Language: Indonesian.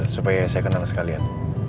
supaya saya kenal sekalian